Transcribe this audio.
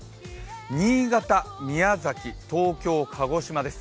新潟、宮崎、東京、鹿児島です。